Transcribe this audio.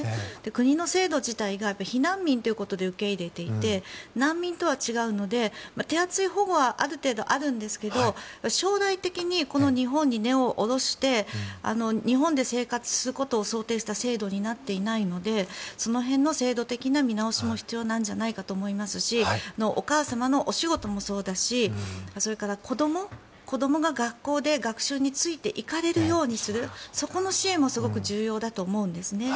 国の制度自体が避難民ということで受け入れていて難民とは違うので手厚い保護はある程度あるんですが将来的にこの日本に根を下ろして日本で生活することを想定した制度になっていないのでその辺の制度的な見直しも必要なんじゃないかと思いますしお母様のお仕事もそうですしそれから子ども子どもが学校で学習についていけるようにするそこの支援もすごく重要だと思うんですね。